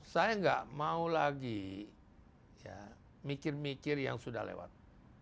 saya nggak mau lagi mikir mikir yang sudah lewat